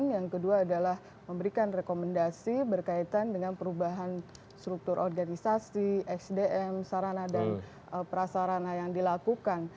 yang kedua adalah memberikan rekomendasi berkaitan dengan perubahan struktur organisasi sdm sarana dan prasarana yang dilakukan